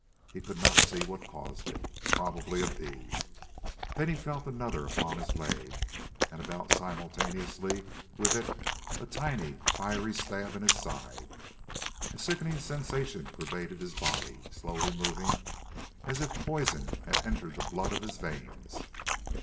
He could not see what caused it; probably a bee. Then he felt another upon his leg, and about simultaneously with it a tiny, fiery stab in his side. A sickening sensation pervaded his body, slowly moving, as if poison had entered the blood of his veins.